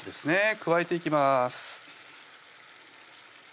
加えていきます